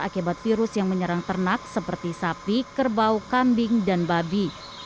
akibat virus yang menyerang ternak seperti sapi kerbau kambing dan babi